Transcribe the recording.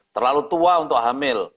terlalu tua untuk hamil